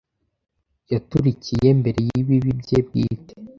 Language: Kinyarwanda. Yaturikiye mbere yibibi bye bwite,